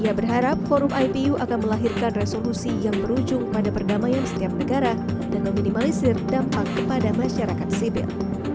ia berharap forum ipu akan melahirkan resolusi yang berujung pada perdamaian setiap negara dan meminimalisir dampak kepada masyarakat sipil